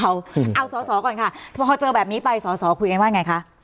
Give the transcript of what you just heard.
เอาสอก่อนค่ะพอเจอแบบนี้ไปสอคุยกันว่าอย่างไรคะ